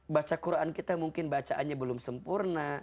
baca quran kita mungkin bacaannya belum sempurna